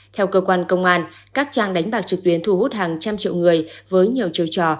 theo cơ quan công an các trang đánh bạc trực tuyến thu hút hàng trăm triệu người với nhiều chiêu trò